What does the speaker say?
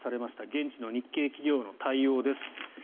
現地の日系企業の対応です。